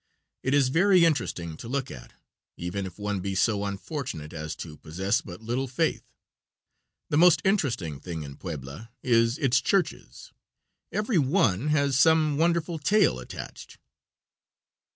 It is very interesting to look at, even if one be so unfortunate as to possess but little faith; the most interesting thing in Puebla is its churches. Every one has some wonderful tale attached.